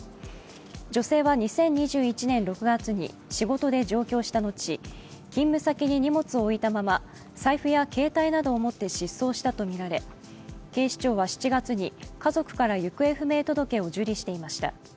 女性は２０２１年６月に仕事で上京したのち、勤務先に荷物を置いたまま財布や携帯などを持って失踪したとみられ警視庁は７月に家族から行方不明届を受理していました。